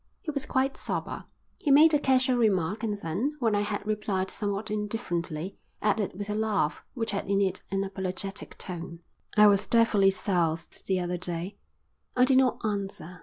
He was quite sober. He made a casual remark and then, when I had replied somewhat indifferently, added with a laugh which had in it an apologetic tone: "I was devilish soused the other day." I did not answer.